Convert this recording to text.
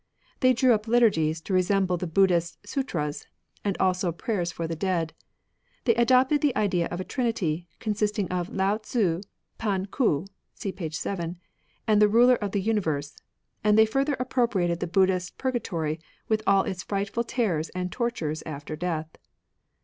They drew up liturgies to resemble the Buddhist SutraSy and also prayers for the dead. They adopted the idea of a Trinity, consisting of Lao Tzu, P'an Ku (see p. 7), and the Ruler of the Universe ; and they further appropriated the Buddhist Purgatory with all its frightful terrors and tortures after death.